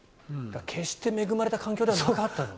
決して恵まれた環境ではなかったんですね。